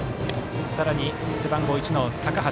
さらに、背番号１の高橋。